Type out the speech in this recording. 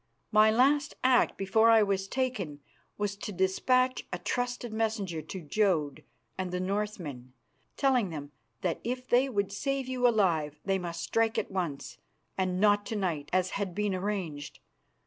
My last act before I was taken was to dispatch a trusted messenger to Jodd and the Northmen, telling them that if they would save you alive they must strike at once, and not to night, as had been arranged.